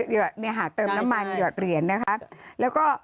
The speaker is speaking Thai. เหนือหากเติมน้ำมันหยอดเหรียญนะคะ